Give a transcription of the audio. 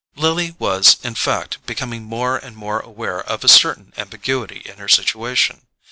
Lily was in fact becoming more and more aware of a certain ambiguity in her situation.